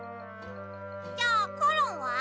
じゃあコロンは？